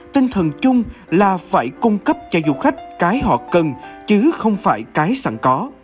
tinh thần chung là phải cung cấp cho du khách cái họ cần chứ không phải cái sẵn có